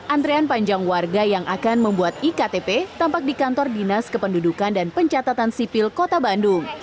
antrean panjang warga yang akan membuat iktp tampak di kantor dinas kependudukan dan pencatatan sipil kota bandung